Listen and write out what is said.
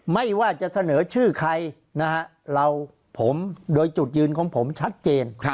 ไม่ว่าจะเสนอชื่อใครนะฮะเราผมโดยจุดยืนของผมชัดเจน